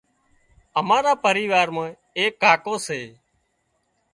امارا پريوار مان ايڪ ڪاڪو سي